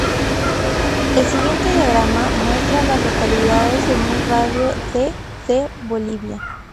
El siguiente diagrama muestra a las localidades en un radio de de Bolivia.